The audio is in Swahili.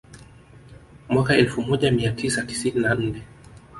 Mwaka elfu moja mia tisa tisini na nne